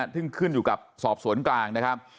ซึ่งขึ้นอยู่กับสอบสวนกลาง